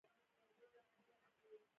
دا پوښتنه د نن ورځې انسانانو لپاره مهمه ده.